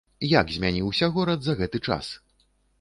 Як змяніўся горад за гэты час?